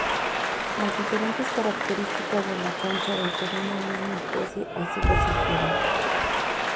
Las diferentes características de la concha dentro de una misma especie así lo sugieren.